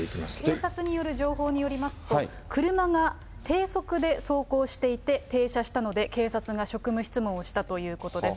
警察による情報によりますと、車が低速で走行していて、停車したので、警察が職務質問をしたということです。